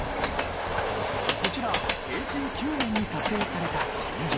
こちら平成９年に撮影された新宿。